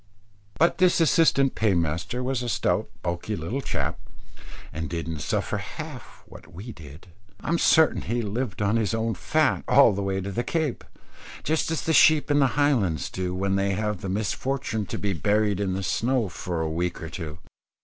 But this assistant paymaster was a stout bulky little chap, and didn't suffer half what we did. I'm certain he lived on his own fat all the way to the Cape, just as the sheep in the Highlands do, when they have the misfortune to be buried in the snow for a week or two.